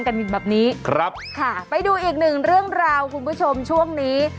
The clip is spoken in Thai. กันแบบนี้ครับค่ะไปดูอีกหนึ่งเรื่องราวคุณผู้ชมช่วงนี้